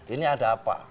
ini ada apa